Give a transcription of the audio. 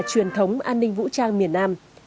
các nhà truyền thống an ninh vũ trang miền nam